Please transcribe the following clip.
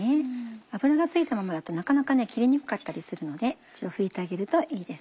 脂がついたままだとなかなか切りにくかったりするので一度拭いてあげるといいです。